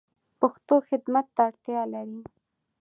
پښتو خدمت ته اړتیا لری